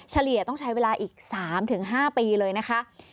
เฉลี่ยต้องใช้เวลาอีก๓๕ปีเลยนะคะ